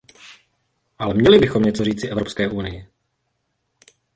Ale měli bychom něco říci Evropské unii.